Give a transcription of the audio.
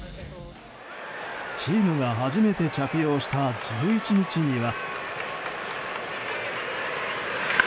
チームが初めて着用した１１日には。